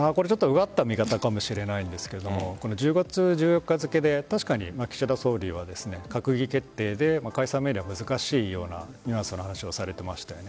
うがった見方かもしれないんですが１０月１４日付で確かに岸田総理は閣議決定で解散命令は難しいようなニュアンスの話をされていました。